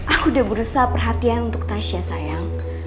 aku udah berusaha perhatian untuk tasya sayang